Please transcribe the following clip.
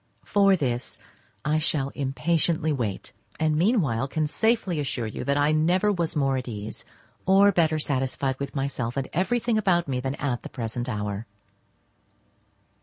For this I shall impatiently wait, and meanwhile can safely assure you that I never was more at ease, or better satisfied with myself and everything about me than at the present hour.